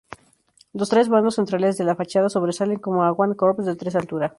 Los tres vanos centrales de la fachada sobresalen como avant-corps de tres alturas.